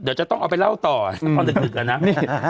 เดียวจะต้องเอาไปเล่าต่ออะ